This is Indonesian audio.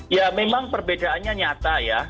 ya memang perbedaannya nyata ya